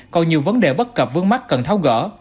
còn nhiều vấn đề bất cập vương mắc cần tháo gỡ